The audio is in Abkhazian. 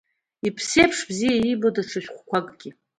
Иԥсы еиԥш бзиа иибо даҽа шәҟәқәакгьы.